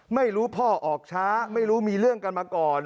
ไม่รู้พ่อออกช้าไม่รู้มีเรื่องกันมาก่อน